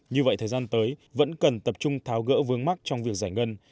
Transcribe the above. như vậy thời gian tới vẫn cần tập trung tháo gỡ vướng mắt trong việc giải ngân